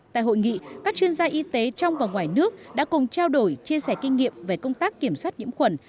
tại hội nghị các chuyên gia y tế trong và ngoài nước đã cùng trao đổi chia sẻ kinh nghiệm về công tác kiểm soát nhiễm khuẩn